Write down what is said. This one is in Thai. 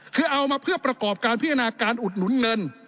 คือเอามาเพื่อประกอบการพิจารณาการอุดหนุนเงิน